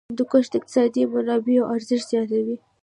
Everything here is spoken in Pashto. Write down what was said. هندوکش د اقتصادي منابعو ارزښت زیاتوي.